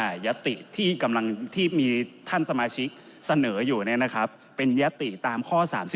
ง่ายตะลายที่มีท่านของรัฐสมชิกเสนออยู่เป็นยตะลายตามข้อ๓๑